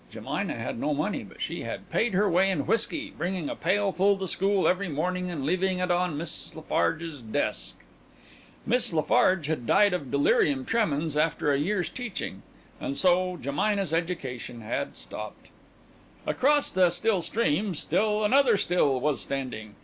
Jemina had no money, but she had paid her way in whiskey, bringing a pailful to school every morning and leaving it on Miss Lafarge's desk. Miss Lafarge had died of delirium tremens after a year's teaching, and so Jemina's education had stopped. Across the still stream, still another still was standing.